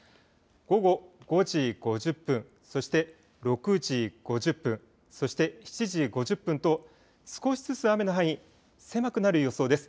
午後５時５０分、そして６時５０分、そして７時５０分と少しずつ雨の範囲、狭くなる予想です。